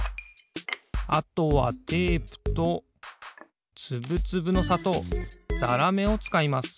あとはテープとつぶつぶのさとうざらめをつかいます。